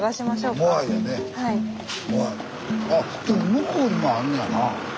向こうにもあんねやな。